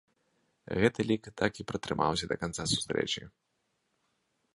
Гэты лік так і пратрымаўся да канца сустрэчы.